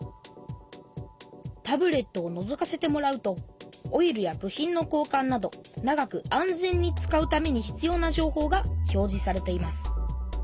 タブレットをのぞかせてもらうとオイルや部品の交かんなど長く安全に使うために必要なじょうほうが表じされています。